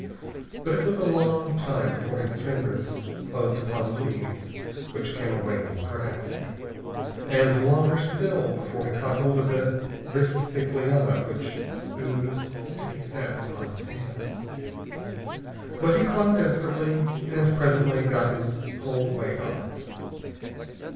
But it was a long time before his fingers closed upon leaves which came away in his grasp, and longer still before he caught hold of a wrist thick liana which oozed sticky sap upon his hands. But he clung desperately, and presently got his whole weight on it.